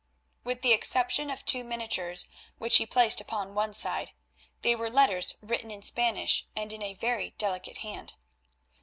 With the exception of two miniatures, which he placed upon one side, they were letters written in Spanish and in a very delicate hand.